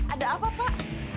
ada apa pak